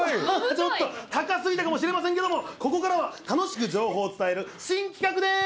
ちょっと高すぎたかもしれませんが、ここからは楽しく情報を伝える、新企画でーす！